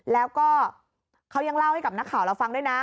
แล้วก็เขายังเล่าให้กับนักข่าวเราฟังด้วยนะ